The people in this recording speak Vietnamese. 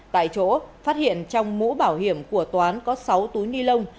tại chỗ phát hiện trong mũ bảo hiểm của toán có sáu túi ni lông